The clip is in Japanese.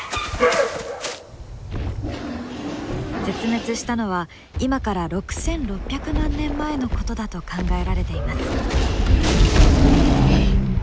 絶滅したのは今から６，６００万年前のことだと考えられています。